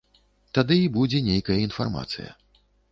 Тады і будзе нейкая інфармацыя.